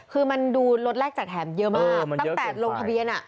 คือมันดูรถแรกแจกแถมเยอะมากตั้งแต่ลงทะเบียน